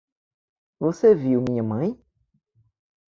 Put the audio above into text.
Você viu minha mãe?